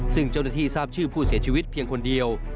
ซึ่งเจ้าหน้าที่ทราบชื่อผู้เสียชีวิตเพียงคนเดียว